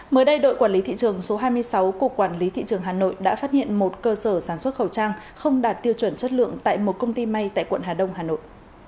mới đây đội quản lý thị trường số hai mươi sáu cục quản lý thị trường hà nội đã phát hiện một cơ sở sản xuất khẩu trang không đạt tiêu chuẩn chất lượng tại một công ty may tại quận hà đông hà nội